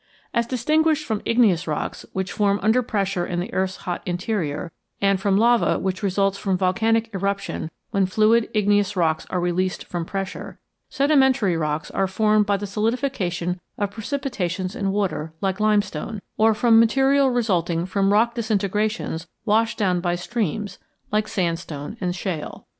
As distinguished from igneous rocks, which form under pressure in the earth's hot interior, and from lava, which results from volcanic eruption when fluid igneous rocks are released from pressure, sedimentary rocks are formed by the solidification of precipitations in water, like limestone; or from material resulting from rock disintegrations washed down by streams, like sandstone and shale.